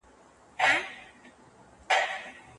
د غذایت جذب، هاضمه، عمر او روغتیا مهم دي.